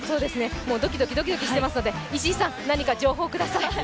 もうドキドキドキドキしていますので、石井さん、何か情報をください。